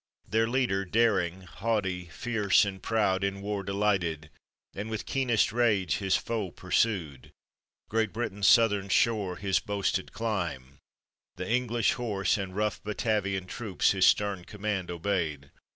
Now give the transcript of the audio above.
Their leader, daring, haughty, fierce, and proud In war delighted, and with keenest rage His foe pursued; Great Britain's southern shore His boasted clime. the English horse and rough Batavian troops His stern command obeyed.